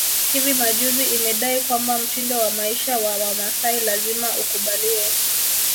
Hivi majuzi imedai kwamba mtindo wa maisha ya Wamasai lazima ukubaliwe